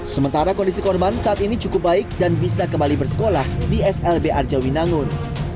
sementara kondisi korban saat ini cukup baik dan bisa kembali bersekolah di slb arjawinangun